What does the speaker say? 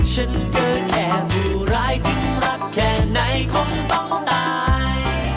ฉันเกิดแค่ผู้ร้ายคงรักแค่ในคนต้องตาย